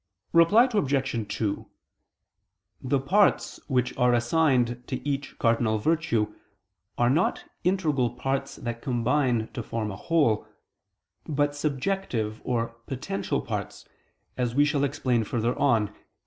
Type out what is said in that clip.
Reply Obj. 2: The parts which are assigned to each cardinal virtue, are not integral parts that combine to form a whole; but subjective or potential parts, as we shall explain further on (Q.